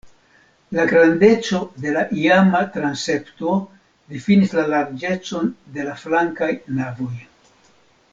La grandeco de la iama transepto difinis la larĝecon de la flankaj navoj.